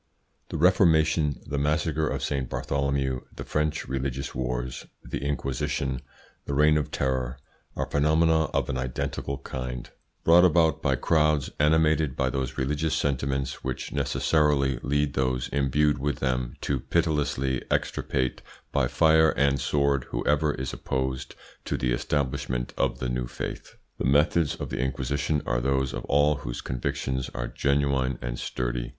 The Reformation, the massacre of Saint Bartholomew, the French religious wars, the Inquisition, the Reign of Terror are phenomena of an identical kind, brought about by crowds animated by those religious sentiments which necessarily lead those imbued with them to pitilessly extirpate by fire and sword whoever is opposed to the establishment of the new faith. The methods of the Inquisition are those of all whose convictions are genuine and sturdy.